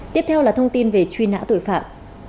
tiếp theo là thông tin về truy nã tội phạm